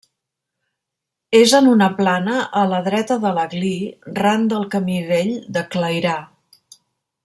És en una plana a la dreta de l'Aglí, ran del camí vell de Clairà.